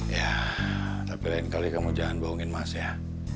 ya tapi lain kali kamu jangan bohongin emas ya